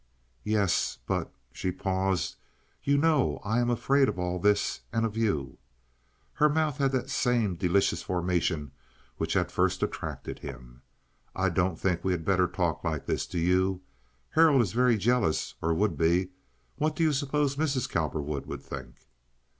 "Yes, but"—she paused—"you know I am afraid of all this and of you." Her mouth had that same delicious formation which had first attracted him. "I don't think we had better talk like this, do you? Harold is very jealous, or would be. What do you suppose Mrs. Cowperwood would think?"